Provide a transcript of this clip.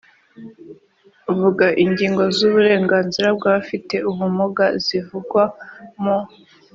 vuga ingingo z uburenganzira bw abafite ubumuga zivugwa mu